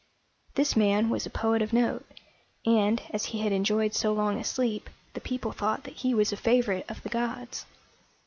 This man was a poet of note, and, as he had enjoyed so long a sleep, the people thought that he was a favorite of the gods.